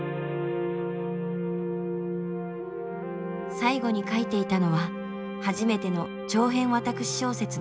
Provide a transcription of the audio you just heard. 最後に書いていたのは初めての長編私小説の最終回。